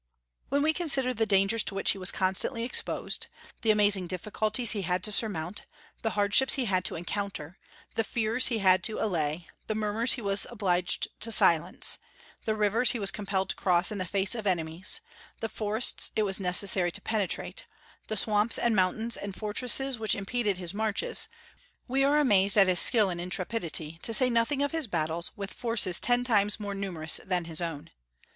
When we consider the dangers to which he was constantly exposed, the amazing difficulties he had to surmount, the hardships he had to encounter, the fears he had to allay, the murmurs he was obliged to silence, the rivers he was compelled to cross in the face of enemies, the forests it was necessary to penetrate, the swamps and mountains and fortresses which impeded his marches, we are amazed at his skill and intrepidity, to say nothing of his battles with forces ten times more numerous than his own.